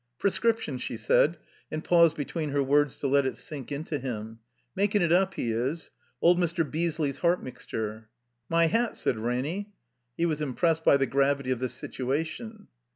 ''Prescription," she said, and paused between her words to let it sink into him. '' Makin' it up, he is. Old Mr. Beesley's heart mixture." "My Hat!" said Ranny. He was impressed by the gravity of the situation.